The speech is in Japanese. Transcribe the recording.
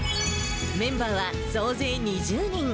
メンバーは総勢２０人。